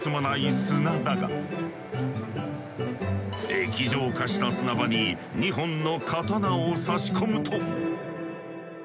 液状化した砂場に２本の刀を差し込むと。